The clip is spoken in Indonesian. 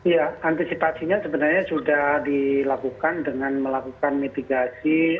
ya antisipasinya sebenarnya sudah dilakukan dengan melakukan mitigasi